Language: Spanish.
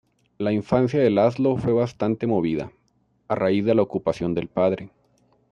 La infancia de László fue bastante movida, a raíz de la ocupación del padre.